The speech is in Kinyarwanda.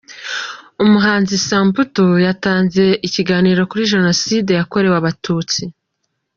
Umuhanzi Samputu yatanze ikiganiro kuri Jenoside yakorewe Abatutsi